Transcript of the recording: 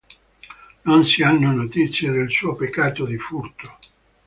Non si hanno notizie del suo peccato di furto.